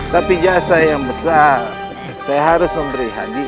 tapi jasa yang besar saya harus memberi hadiah